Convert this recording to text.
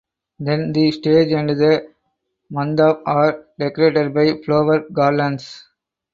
Then the stage and the Mandap are decorated by flower garlands.